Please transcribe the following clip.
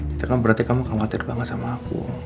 itu kan berarti kamu khawatir banget sama aku